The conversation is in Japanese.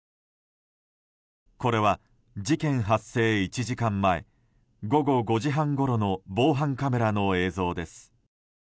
これは事件発生１時間前午後５時半ごろの防犯カメラの映像です。